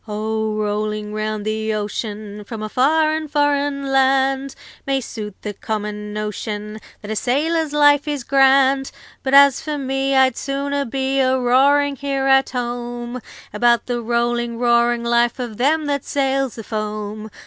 'Oh, rolling round the ocean, From a far and foreign land, May suit the common notion That a sailor's life is grand. 'But as for me, I'd sooner be A roaring here at home About the rolling, roaring life Of them that sails the foam.